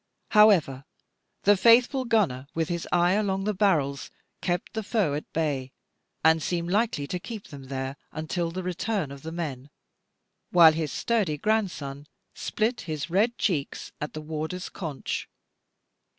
However, the faithful gunner, with his eye along the barrels, kept the foe at bay, and seemed likely to keep them there, until the return of the men; while his sturdy grandson split his red cheeks at the warder's conch.